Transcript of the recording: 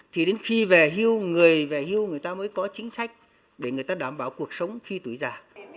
thì đến khi về hưu người về hưu người ta mới có chính sách để người ta đảm bảo cuộc sống khi tuổi già